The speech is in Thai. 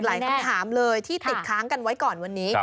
ถ้ามีคุณผู้โทรถามเลยที่ติดค้างกันไว้ก่อนวันนี้